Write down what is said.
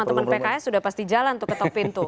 teman teman pks sudah pasti jalan tuh ketok pintu